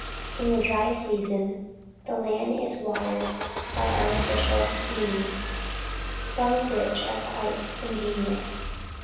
In the dry season, the land is watered by artificial means, some of which are quite ingenious.